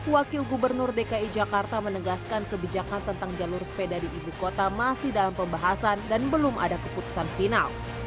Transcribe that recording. wakil gubernur dki jakarta menegaskan kebijakan tentang jalur sepeda di ibu kota masih dalam pembahasan dan belum ada keputusan final